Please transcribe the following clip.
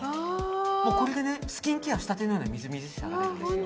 これでスキンケアしたてのようなみずみずしさが出るんですよ。